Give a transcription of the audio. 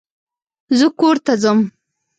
زه کورته ځم